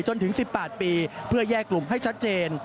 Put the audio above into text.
จนถึง๑๘ปีเพื่อแยกกลุ่มให้ชัดเจน